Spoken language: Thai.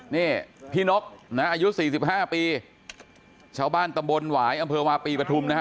นี่พี่นกนะอายุ๔๕ปีชาวบ้านตำบลหวายอำเภอวาปีปฐุมนะฮะ